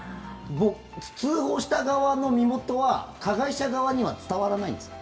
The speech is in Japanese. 通報した側の身元は加害者側には伝わらないんですか？